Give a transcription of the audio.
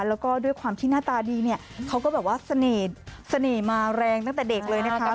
แล้วก็ด้วยความที่หน้าตาดีเนี่ยเขาก็แบบว่าเสน่ห์เสน่ห์มาแรงตั้งแต่เด็กเลยนะคะ